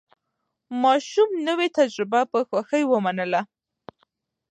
ماشوم نوې تجربه په خوښۍ ومنله